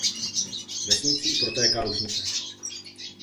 Vesnicí protéká Lužnice.